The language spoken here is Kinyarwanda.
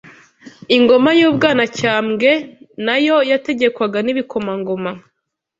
Ingoma y’u Bwanacyambwe nayo yategekwaga n’Ibikomangoma